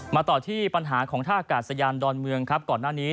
ต่อที่ปัญหาของท่าอากาศยานดอนเมืองครับก่อนหน้านี้